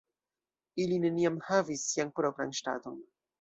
Ili neniam havis sian propran ŝtaton.